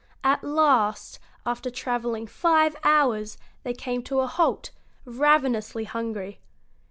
At last, after travelling five hours, they came to a halt, ravenously hungry.